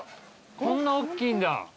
こんなおっきいんだ。